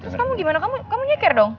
terus kamu gimana kamu kamu nyeker dong